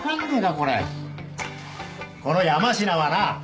これこの山科はな